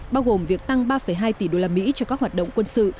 bao gồm việc tăng ba hai tỷ đô la mỹ cho các hoạt động quân sự